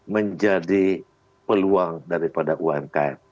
menjadi peluang daripada umkm